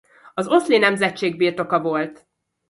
Az Osli nemzetség birtoka volt.